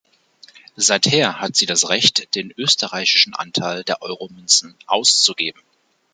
Seither hat sie das Recht, den österreichischen Anteil der Euro-Münzen auszugeben.